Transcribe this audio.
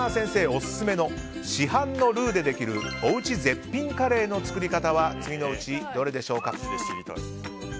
オススメの市販のルーでできるおうち絶品カレーの作り方は次のうちどれでしょうか？